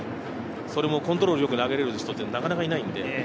それもコントロール良く投げれる人はなかなかいないんでね。